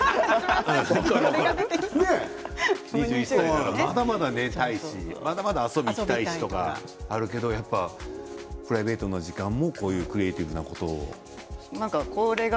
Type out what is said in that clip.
例えば２１歳ならまだまだ寝たいとか遊びに行きたいとかやっぱりプライベートの時間もこういうクリエーティブなことを。